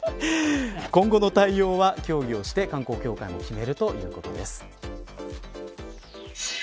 今後の対応は協議をして観光協会も決めるということです。